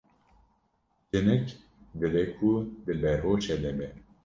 Jinik dibe ku di beroşê de be.